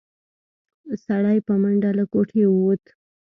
سړی په منډه له کوټې ووت.